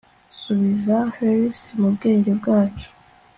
Subiza Hers mubwenge bwacu